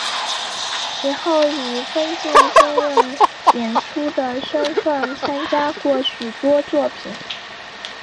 之后以分镜兼任演出的身分参加过许多作品。